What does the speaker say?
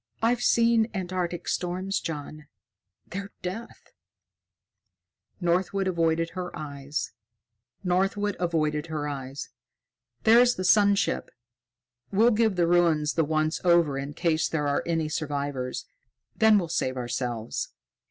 "I've seen Antarctic storms, John. They're death." Northwood avoided her eyes. "There's the sun ship. We'll give the ruins the once over in case there are any survivors; then we'll save ourselves."